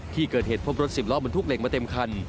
ที่เกิดเหตุพบรถสิบล้อบรรทุกเหล็กมาเต็มคัน